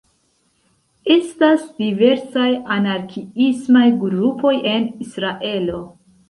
Estas diversaj anarkiismaj grupoj en Israelo.